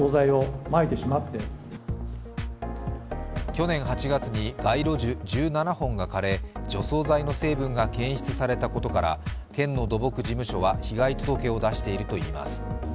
去年８月に街路樹１７本が枯れ除草剤の成分が検出されたことから県の土木事務所は、被害届を出しているといいます。